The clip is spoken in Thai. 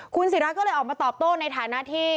คุณศิราก็เลยออกมาตอบโต้ในฐานะที่